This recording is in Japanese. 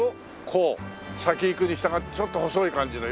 こう先行くに従ってちょっと細い感じの。